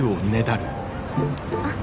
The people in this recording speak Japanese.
あっ。